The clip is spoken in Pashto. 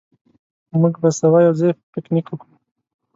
موږ به سبا یو ځای پکنیک وکړو.